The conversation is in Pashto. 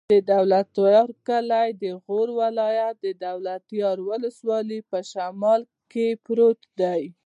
د دولتيار کلی د غور ولایت، دولتيار ولسوالي په شمال کې پروت دی.